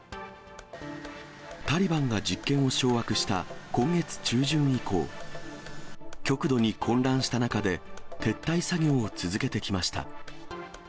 タリバンが実権を掌握した今月中旬以降、極度に混乱した中で、撤退作業を続けてきました。